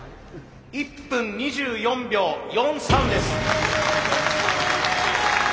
１分２４秒４３です。